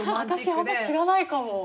私知らないかも。